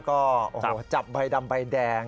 ก็จับใบดำใบแดง